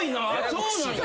そうなんや。